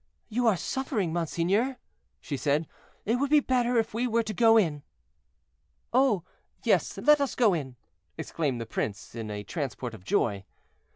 "You are suffering, monseigneur," she said; "it would be better if we were to go in." "Oh! yes, let us go in," exclaimed the prince in a transport of joy.